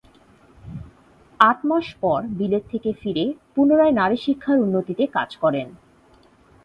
আট মাস পর বিলেত থেকে ফিরে পুনরায় নারী শিক্ষার উন্নতিতে কাজ করেন।